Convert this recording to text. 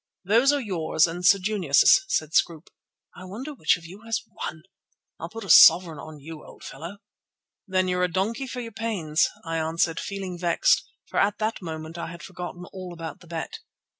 "Those are yours and Sir Junius's," said Scroope. "I wonder which of you has won. I'll put a sovereign on you, old fellow." "Then you're a donkey for your pains," I answered, feeling vexed, for at that moment I had forgotten all about the bet.